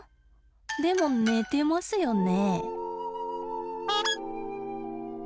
でも寝てますよね。